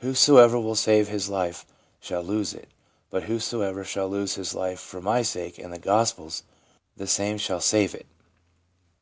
1 Whosoever will save his life shall lose it ; but whoso ever shall lose his life for My sake and the Gospel's, the same shall save it.'